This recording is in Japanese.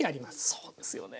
そうですよね。